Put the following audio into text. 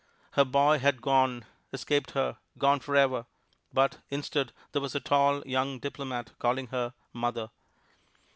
Her boy had gone, escaped her, gone forever, but, instead, here was a tall young diplomat calling her "mother."